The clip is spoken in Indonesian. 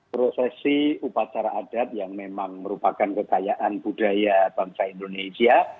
prosesi upacara adat yang memang merupakan kekayaan budaya bangsa indonesia